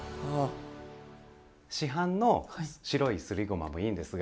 市販の白いすりごまもいいんですが。